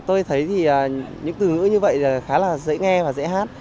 tôi thấy thì những từ ngữ như vậy khá là dễ nghe và dễ hát